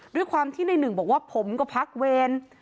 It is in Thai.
ด้วยความที่ในหนึ่งบอกว่าผมก็พักเวร